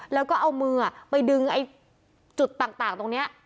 แล้วก็เอามือไปดึงจุดต่างตรงนี้